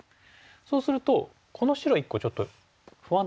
そうするとこの白１個ちょっと不安定じゃないですか？